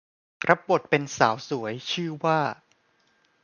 รับบทเป็นสาวสวยชื่อว่า